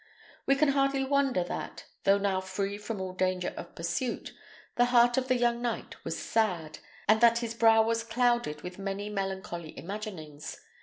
We can hardly wonder that, though now free from all danger of pursuit, the heart of the young knight was sad, and that his brow was clouded with many melancholy imaginings.